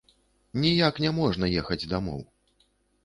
Ніяк няможна ехаць дамоў.